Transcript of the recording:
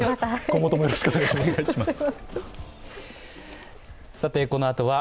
今後ともよろしくお願いします。